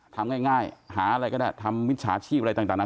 ทำง่ายหาอะไรก็ได้ทำมิจฉาชีพอะไรต่างนั้น